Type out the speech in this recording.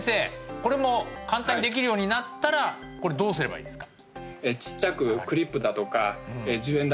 これも簡単にできるようになったらこれどうすればいいですか？